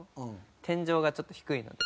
天井がちょっと低いので。